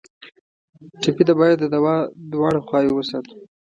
ټپي ته باید د دوا دواړه خواوې وساتو.